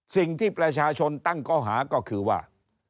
สิ่งที่ประชาชนตั้งก้อหาก็คือว่า